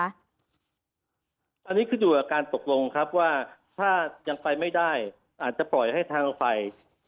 อันนี้ขึ้นอยู่กับการตกลงครับว่าถ้ายังไปไม่ได้อาจจะปล่อยให้ทางฝ่าย